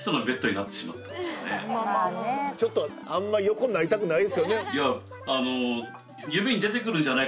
あんまり横になりたくないですよね。